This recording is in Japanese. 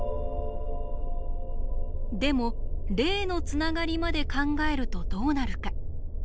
でも例のつながりまで考えるとどうなるか。